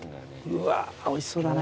うわーおいしそうだね。